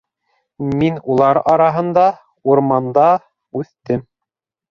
Мин улар араһында, урманда, үҫтем.